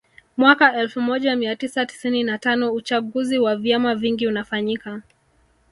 Mwaka elfu moja mia tisa tisini na tano Uchaguzi wa vyama vingi unafanyika